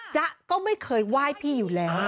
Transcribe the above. จ๊ะก็ไม่เคยไหว้พี่อยู่แล้ว